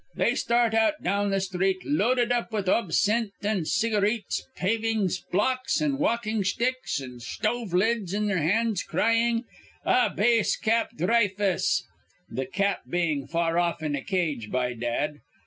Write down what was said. They start out down th' street, loaded up with obscenthe an' cigareets, pavin' blocks an' walkin' sthicks an' shtove lids in their hands, cryin', 'A base Cap Dhry fuss!' th' cap bein' far off in a cage, by dad.